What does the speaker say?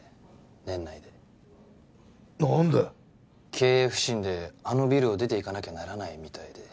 経営不振であのビルを出ていかなきゃならないみたいで。